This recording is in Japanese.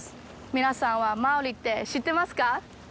皆さんはマオリって知ってますか？